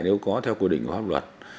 nếu có theo quy định của pháp luật